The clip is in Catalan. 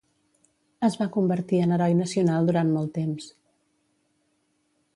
Es va convertir en heroi nacional durant molt temps.